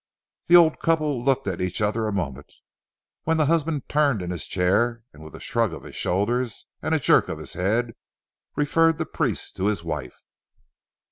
The old couple looked at each other a moment, when the husband turned in his chair, and with a shrug of his shoulders and a jerk of his head, referred the priest to his wife.